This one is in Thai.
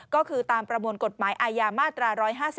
ก็คือตามประมวลกฎหมายอาญามาตรา๑๕๒